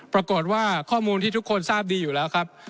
ปรากฏว่าข้อมูลที่ทุกคนทราบดีอยู่แล้วครับ